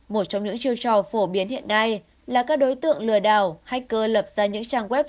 một trong những chiêu trò phổ biến hiện nay là các đối tượng lừa đảo hacker lập ra những trang web